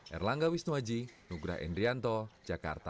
erlangga wisnuaji nugra endrianto jakarta